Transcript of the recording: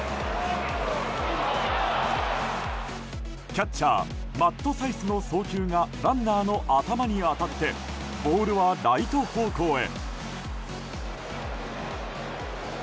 キャッチャーマット・サイスの送球がランナーの頭に当たってボールはライト方向へ。